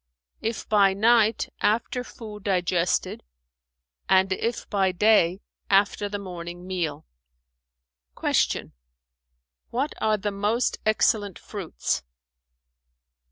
"If by night, after food digested and if by day, after the morning meal." Q "What are the most excellent fruits?"